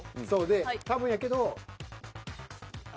で多分やけど。